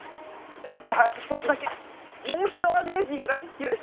じゃあ１つだけもう１アメージングだけ許して。